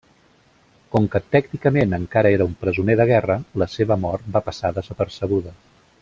Com que, tècnicament, encara era un presoner de guerra, la seva mort va passar desapercebuda.